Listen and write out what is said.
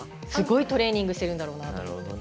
すごいトレーニングしているんだろうな。